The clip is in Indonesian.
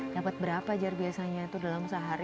dapat berapa jar biasanya itu dalam sehari